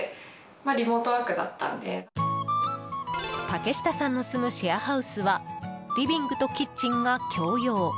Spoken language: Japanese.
竹下さんの住むシェアハウスはリビングとキッチンが共用。